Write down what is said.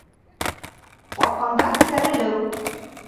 Арҡанда күтәрелеү